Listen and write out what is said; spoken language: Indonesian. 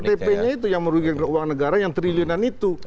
ktp nya itu yang merugikan keuangan negara yang triliunan itu